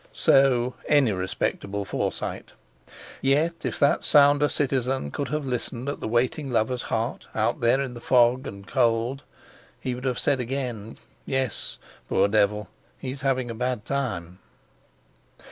So any respectable Forsyte. Yet, if that sounder citizen could have listened at the waiting lover's heart, out there in the fog and the cold, he would have said again: "Yes, poor devil he's having a bad time!"